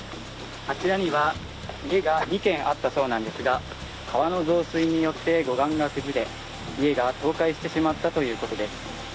あちらには家が２軒あったそうなんですが、川の増水によって護岸が崩れ家が倒壊してしまったということです。